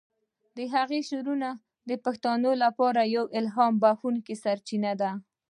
د هغه شعرونه د پښتنو لپاره یوه الهام بخښونکی سرچینه ده.